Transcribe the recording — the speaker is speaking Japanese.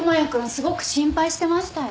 すごく心配してましたよ。